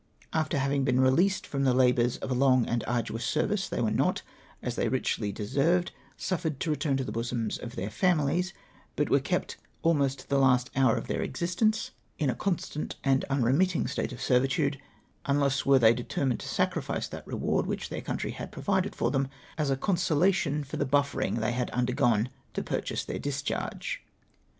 After having been released from the labours of a long and arduous service, they were not, as they richly de served, suffered to return to the l)osonis of their families, but were kept almost to the last hour of their existence in a constant and unremitting state of servitude, unless where they determined to sacrifice that reward which their country had provided for them as a consolation for the buffeting they had undergone to purchase their discharge.